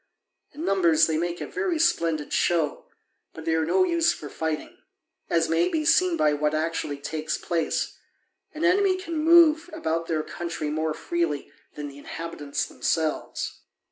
In numbers they make a very splendid show, but they are no use for fighting; as may be seen by what actually takes place: an enemy can move about their country more freely than the inhabitants themselves.